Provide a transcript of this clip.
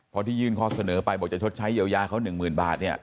เพราะที่ยื่นข้อเสนอไปบอกจะชดใช้เยียวยาเขา๑๐๐๐บาทเนี่ย